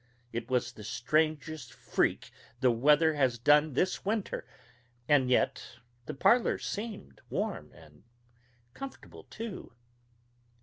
It was the strangest freak the weather has done this winter. And yet the parlor seemed warm and comfortable, too.